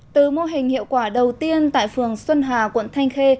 từ mô hình hiệu quả đầu tiên tại phường xuân hà quận thanh khê